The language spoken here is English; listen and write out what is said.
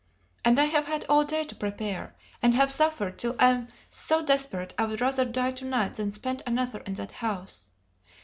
And I have had all day to prepare, and have suffered till I am so desperate I would rather die to night than spend another in that house.